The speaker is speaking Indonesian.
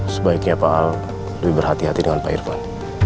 sebaiknya pak al lebih berhati hati dengan pak irfan